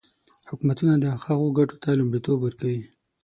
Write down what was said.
حکومتونه هغو ګټو ته لومړیتوب ورکوي.